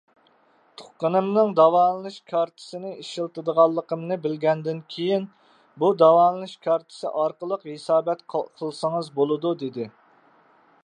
تۇغقىنىمنىڭ داۋالىنىش كارتىسىنى ئىشلىتىدىغانلىقىمنى بىلگەندىن كېيىن،‹‹ بۇ داۋالىنىش كارتىسى ئارقىلىق ھېسابات قىلسىڭىز بولىدۇ،›› دېدى.